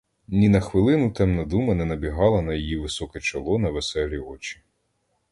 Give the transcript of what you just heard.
Ні на хвилину темна дума не набігла на її високе чоло, на веселі очі.